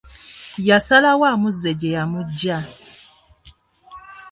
Yasalawo amuzze gye yamuggya.